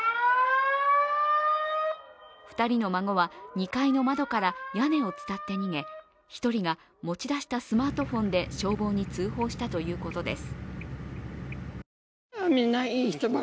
２人の孫は２階の窓から屋根をつたって逃げ１人が持ち出したスマートフォンで消防に通報したということです。